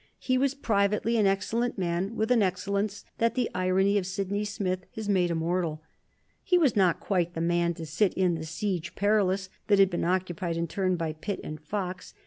He was privately an excellent man, with an excellence that the irony of Sydney Smith has made immortal. He was not quite the man to sit in the Siege Perilous that had been occupied in turn by Pitt and Fox.